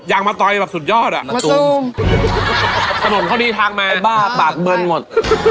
ยังมาต่อยแบบสุดยอดอ่ะมาซุมสนมเข้าดีทางไหมไอ้บ้าปากเบิร์นหมด